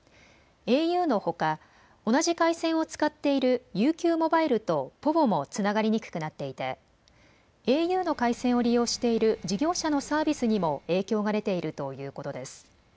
ａｕのほか同じ回線を使っているＵＱモバイルとｐｏｖｏもつながりにくくなっていてａｕの回線を利用している事業者のサービスにも影響が出ているということです。